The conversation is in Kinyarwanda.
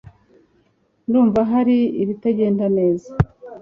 Ndumva hari ibitagenda neza